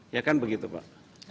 ya kan begitu pak